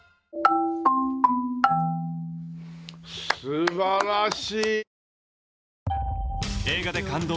素晴らしい！